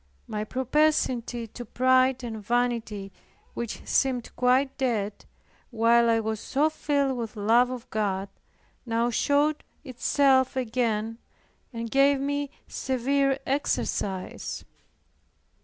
My propensity to pride and vanity, which seemed quite dead, while I was so filled with love of God, now showed itself again, and gave me severe exercise.